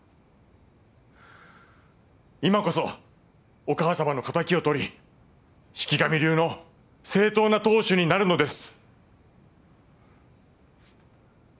今こそお母さまの敵をとり四鬼神流の正とうな当主になるのです。